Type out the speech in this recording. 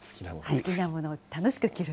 好きなものを楽しく着る。